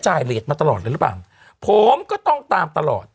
เหรียญมาตลอดเลยหรือเปล่าผมก็ต้องตามตลอด